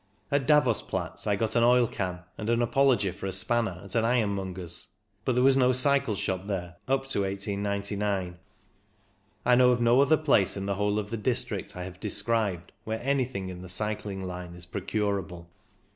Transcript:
At Davos Platz I got an oilcan and an apology for a spanner at an ironmonger's, but there was no cycle shop there up to 1899. I know of no other place in the whole of the district I have described where anything in the cycling line is procurable.